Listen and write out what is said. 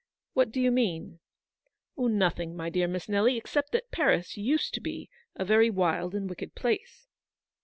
" What do you mean ?"" Nothing, my dear Miss Nelly, except that Paris used to be a very wild and wicked place."